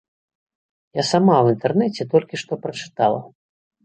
Я сама ў інтэрнэце толькі што прачытала.